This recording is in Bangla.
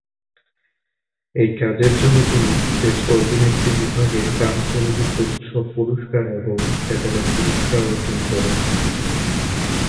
এই কাজের জন্য তিনি শ্রেষ্ঠ অভিনেত্রী বিভাগে কান চলচ্চিত্র উৎসব পুরস্কার এবং স্যাটেলাইট পুরস্কার অর্জন করেন।